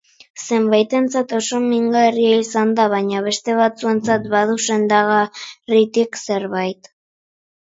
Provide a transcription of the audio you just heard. Zenbaitentzat oso mingarria izan da, baina beste batzuentzat badu sendagarritik zerbait.